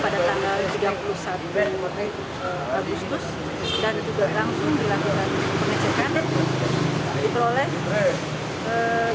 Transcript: laboratorium forensik jatang bali yang diambil pada tanggal tiga puluh satu agustus dan juga langsung dilakukan pemeriksaan